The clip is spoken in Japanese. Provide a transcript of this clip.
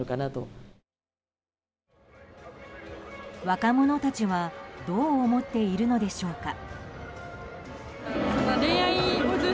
若者たちはどう思っているのでしょうか。